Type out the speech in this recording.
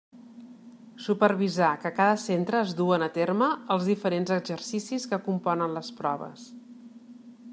Supervisar que a cada centre es duen a terme els diferents exercicis que componen les proves.